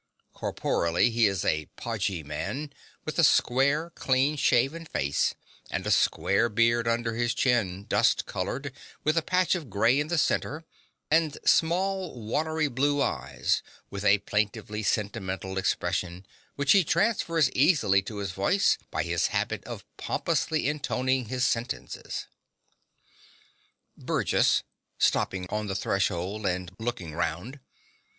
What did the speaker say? Corporeally, he is a podgy man, with a square, clean shaven face and a square beard under his chin; dust colored, with a patch of grey in the centre, and small watery blue eyes with a plaintively sentimental expression, which he transfers easily to his voice by his habit of pompously intoning his sentences.) BURGESS (stopping on the threshold, and looking round).